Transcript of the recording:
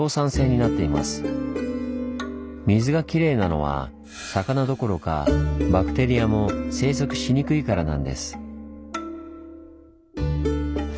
水がきれいなのは魚どころかバクテリアも生息しにくいからなんです。